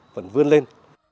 vẫn vươn lên